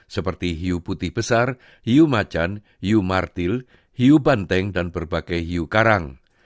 seperti hiu putih besar hiu macan hiu martil hiu banteng dan berbagai hiu karang